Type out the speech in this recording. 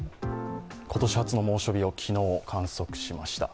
今年初の猛暑日を昨日、観測しました。